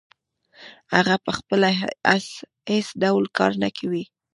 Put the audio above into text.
هغه پخپله هېڅ ډول کار نه کوي